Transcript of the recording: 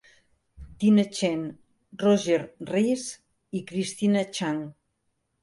Tina Chen, Roger Rees i Christina Chang.